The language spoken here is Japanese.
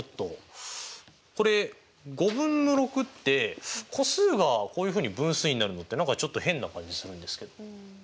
これ５分の６って個数がこういうふうに分数になるのって何かちょっと変な感じするんですけど。